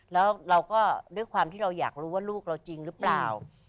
แล้วเราก็ด้วยความที่เราอยากรู้ว่าลูกเราจริงหรือเปล่า